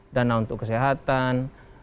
dana untuk kesehatan